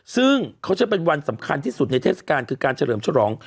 ซึ่งเขาจะเป็นวันสำคัญที่สุดในเทศกาลคือการเฉลิมฉลอง